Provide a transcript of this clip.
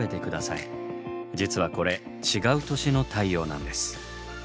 実はこれ違う年の太陽なんです。